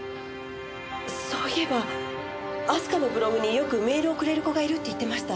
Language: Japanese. そういえば明日香のブログによくメールをくれる子がいるって言ってました。